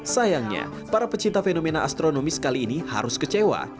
sayangnya para pecinta fenomena astronomi sekali ini harus kecewa